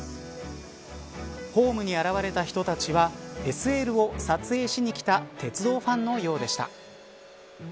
ホームに現れた人たちはＳＬを撮影しにきた鉄道ファンのようでした。